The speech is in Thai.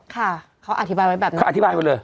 ค่ะเขาอธิบายไว้แบบนี้เขาอธิบายหมดเลย